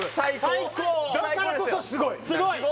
だからこそすごい・すごい！